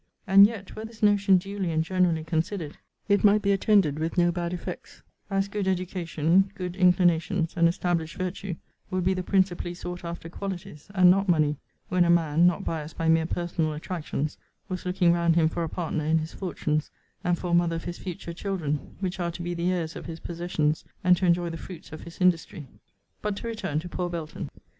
And yet, were this notion duly and generally considered, it might be attended with no bad effects; as good education, good inclinations, and established virtue, would be the principally sought after qualities; and not money, when a man (not biased by mere personal attractions) was looking round him for a partner in his fortunes, and for a mother of his future children, which are to be the heirs of his possessions, and to enjoy the fruits of his industry. But to return to poor Belton.